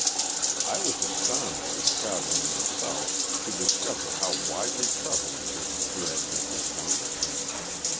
I was astonished in travelling in the South to discover how widely prevalent this dread has become.